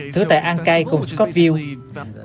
thử tại an cai cùng scottville